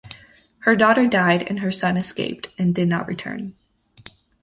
Her daughter died and her son escaped and did not return.